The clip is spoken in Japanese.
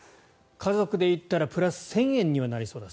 家族で行ったらプラス１０００円にはなりそうだ